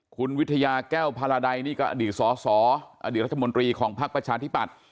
คุณวิทยาแก้วพาราดัยนี่ก็อดีตสอสออดีตรัฐมนตรีของภักดิ์ประชาธิปัตย